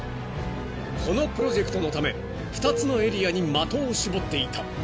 ［このプロジェクトのため２つのエリアに的を絞っていた］